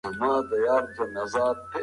کم شمېر خلک کتاب د مينې لپاره لولي.